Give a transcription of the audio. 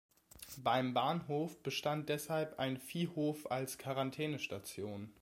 Beim Bahnhof bestand deshalb ein Viehhof als Quarantänestation.